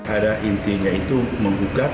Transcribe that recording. ada intinya itu menggugat